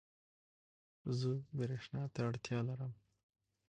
زه برق ته اړتیا لرم